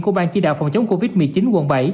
của bang chỉ đạo phòng chống covid một mươi chín quận bảy